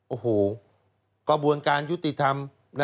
โอ้โหกระบวนการยุติธรรม